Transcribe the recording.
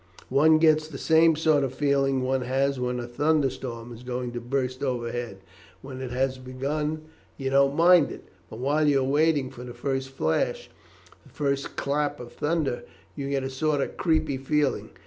One gets the same sort of feeling one has when a thunderstorm is just going to burst overhead. When it has begun you don't mind it, but while you are waiting for the first flash, the first clap of thunder, you get a sort of creepy feeling.